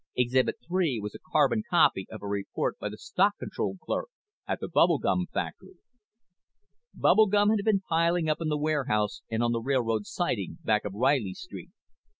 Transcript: Exhibit three was a carbon copy of a report by the stock control clerk at the bubble gum factory. Bubble gum had been piling up in the warehouse on the railroad siding back of Reilly Street.